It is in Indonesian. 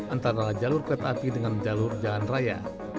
antara jalur kereta api dengan jalur jalan raya